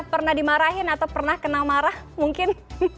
pernah dimarahin atau pernah kena marah mungkin